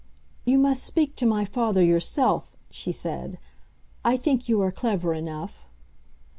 "You must speak to my father yourself," she said. "I think you are clever enough."